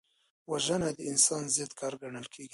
وژنه د انسان ضد کار ګڼل کېږي